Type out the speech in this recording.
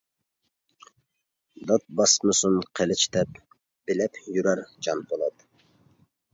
دات باسمىسۇن قىلىچ دەپ، بىلەپ يۈرەر جان پولات.